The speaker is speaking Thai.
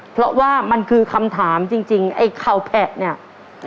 เพราะว่ามันคือคำถามจริงไอ้เข่าแผะเนี่ย